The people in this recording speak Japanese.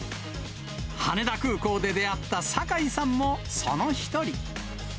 羽田空港で出会った酒井さんもその一人。